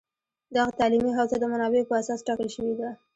دغه تعلیمي حوزه د منابعو په اساس ټاکل شوې ده